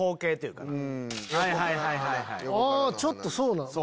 ちょっとそうなん。